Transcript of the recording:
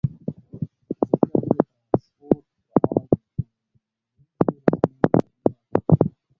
ازادي راډیو د ترانسپورټ په اړه د ټولنیزو رسنیو غبرګونونه راټول کړي.